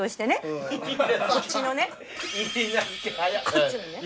こっちのね。